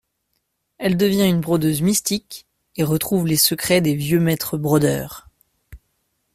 Elle devient une brodeuse mystique et retrouve les secrets des vieux maîtres brodeurs.